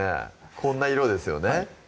こんな色ですよね